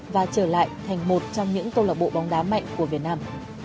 và trở lại thành một trong những câu lạc bộ bóng đá mạnh của việt nam